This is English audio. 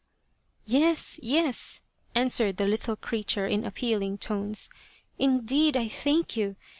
" Yes, yes," answered the little creature in appeal ing tones. " Indeed, I thank you.